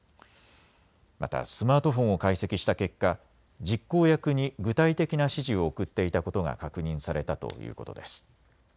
またスマートフォンを解析した結果、実行役に具体的な指示を送っていたことが確認されたということです。